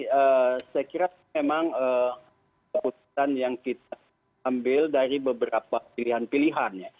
jadi saya kira memang kebutuhan yang kita ambil dari beberapa pilihan pilihannya